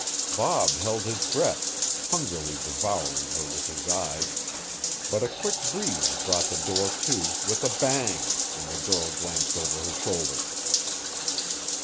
Bob held his breath, hungrily devouring her with his eyes, but a quick breeze brought the door to with a bang and the girl glanced over her shoulder.